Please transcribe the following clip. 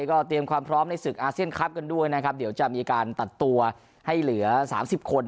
ก็เตรียมความพร้อมในศึกอาเซียนคลับกันด้วยนะครับเดี๋ยวจะมีการตัดตัวให้เหลือ๓๐คน